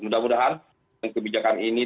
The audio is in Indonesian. mudah mudahan kebijakan ini